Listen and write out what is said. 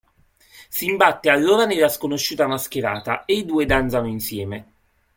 Si imbatte allora nella sconosciuta mascherata e i due danzano insieme.